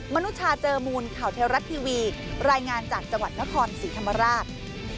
นุชาเจอมูลข่าวเทวรัฐทีวีรายงานจากจังหวัดนครศรีธรรมราช